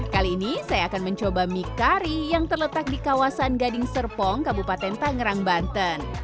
kali ini saya akan mencoba mie kari yang terletak di kawasan gading serpong kabupaten tangerang banten